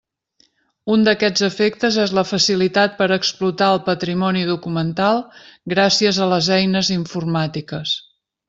Un d'aquests efectes és la facilitat per explotar el patrimoni documental gràcies a les eines informàtiques.